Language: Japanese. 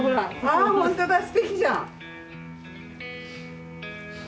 ああ本当だすてきじゃん。